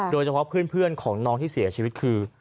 โดยเฉพาะเพื่อนของน้องที่เสียชีวิตคือ